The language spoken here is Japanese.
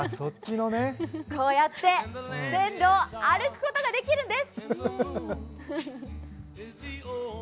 こうやって線路を歩くことができるんです。